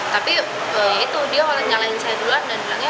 tapi dia mulai nyalahin saya duluan dan bilang